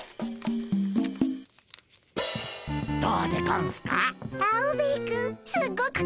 どうでゴンスか？